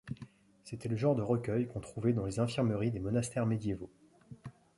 C'était le genre de recueils qu'on trouvait dans les infirmeries des monastères médiévaux.